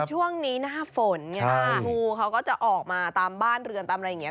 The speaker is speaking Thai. ช่วงนี้หน้าฝนไงงูเขาก็จะออกมาตามบ้านเรือนตามอะไรอย่างนี้